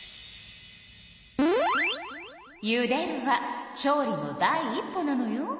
「ゆでる」は調理の第一歩なのよ。